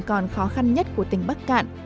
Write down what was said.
còn khó khăn nhất của tỉnh bắc cạn